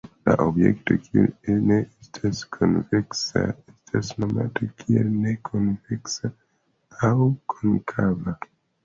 Objekto kiu ne estas konveksa estas nomata kiel ne konveksa aŭ konkava.